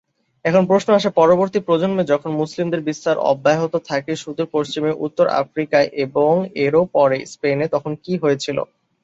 এখন প্রশ্ন আসে, পরবর্তী প্রজন্মে যখন মুসলিমদের বিস্তার অব্যাহত থাকে সুদূর-পশ্চিমে, উত্তর আফ্রিকায়, এবং এরও পরে স্পেনে, তখন কি হয়েছিল?